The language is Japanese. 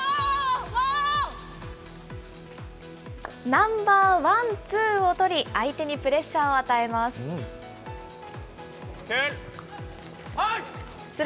ナンバーワン、ツーを取り、相手にプレッシャーを与えます。